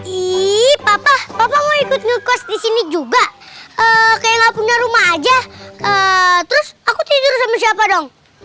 ihh papa papa mau ikut ngekos di sini juga kayak gak punya rumah aja terus aku tidur sama siapa dong